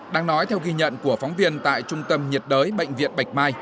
đang nói theo ghi nhận của phóng viên tại trung tâm nhiệt đới bệnh viện bạch mai